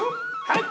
はい！